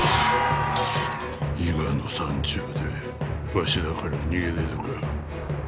伊賀の山中でわしらから逃げれるか。